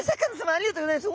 ありがとうございます。